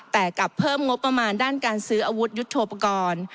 แต่กลับเพิ่มงบประมาณด้านการซื้ออาวุธยุทธโปรกรณ์